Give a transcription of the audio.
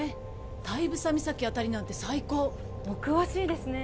大房岬あたりなんて最高お詳しいですね